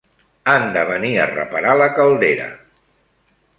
Han de venir a reparar la caldera.